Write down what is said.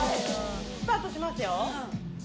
スタートしますよ。